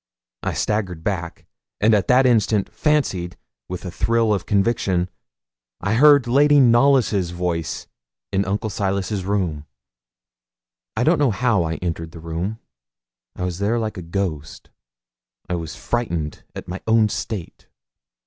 I staggered back, and at that instant fancied, with a thrill of conviction, I heard Lady Knollys's voice in Uncle Silas' room. I don't know how I entered the room; I was there like a ghost. I was frightened at my own state.